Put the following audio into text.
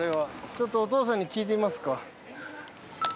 ちょっとお父さんに聞いてみますか。